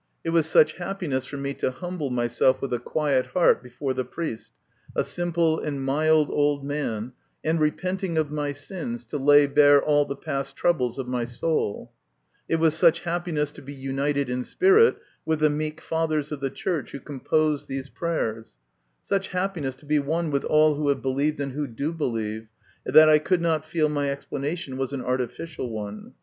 It was such happiness for me to humble myself with a quiet heart before the priest, a simple and mild old man, and repenting of my sins, to lay bare all the past troubles of my soul ; it was such happiness to be united in spirit with the meek Fathers of the Church who composed these prayers ; such happiness to be one with all who have believed and who do believe, that I could not feel my explanation was an artificial one.